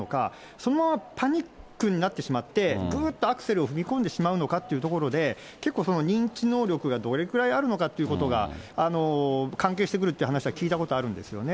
そのパニックになってしまって、ぐーっとアクセルを踏み込んでしまうのかっていうところで、結構、認知能力がどれぐらいあるのかということが関係してくるっていう話は聞いたことあるんですよね。